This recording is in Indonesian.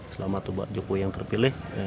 selamat jokowi yang terpilih